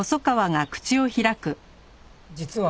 実は。